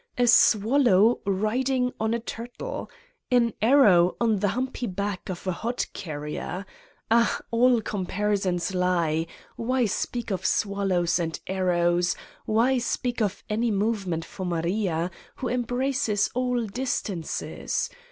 A swallow riding on a turtle! An arrow on the humpy back of a hod carrier! Ah, all compari sons lie : why speak of swallows and arrows, why speak of any movement for Maria, who embraces all distances